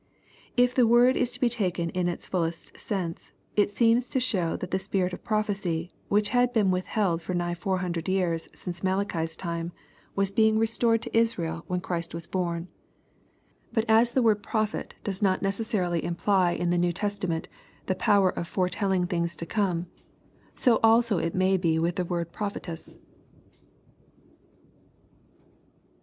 If the word is to be taktfi in its fullest sense, it seems to show that the spirit of prophecy, which had been withheld for nigh four hundred years since Malachi's Ume, was being restored to LUEE^ CHAP. II. 71 bael when Christ was bom. Bat as the word '* prophet" does not necessarily imply, ii the New Testament, the power of fore telling things to come, so also it mav be with the word '^pro phetess."